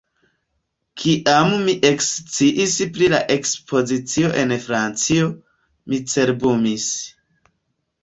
Kiam mi eksciis pri la ekspozicio en Francio, mi cerbumis.